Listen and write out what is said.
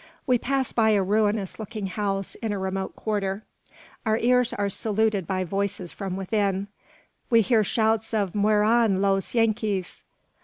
We pass by a ruinous looking house in a remote quarter. Our ears are saluted by voices from within. We hear shouts of "Mueran los Yankies!